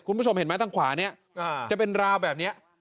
คุณผู้ชมเห็นไหมทางขวานี้จะเป็นราวแบบนี้